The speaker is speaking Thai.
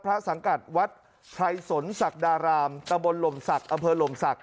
สังกัดวัดไพรสนศักดารามตะบนหล่มศักดิ์อำเภอหลมศักดิ